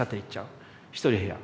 一人部屋。